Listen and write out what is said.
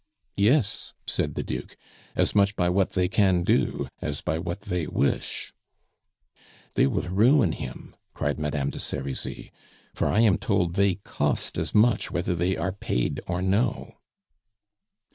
"Yes," said the Duke, "as much by what they can do as by what they wish " "They will ruin him!" cried Madame de Serizy, "for I am told they cost as much whether they are paid or no."